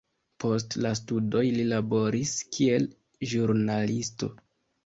Post la studoj li laboris kiel ĵurnalisto.